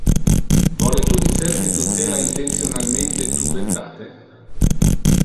Vole tu dicer que tu cela intentionalmente tu beltate?